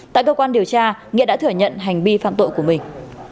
tại cơ quan điều tra nghĩa đã thừa nhận hành vi phạm tội của mình